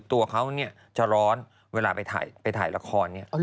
ตัวเขาเนี่ยจะร้อนเวลาไปถ่ายละครเนี่ย